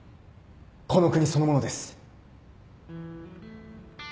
この国そのものです。